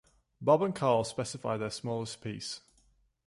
Bob and Carl specify their smallest piece.